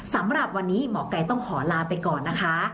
สำหรับวันนี้หมอกัยต้องขอลาไปก่อนนะคะ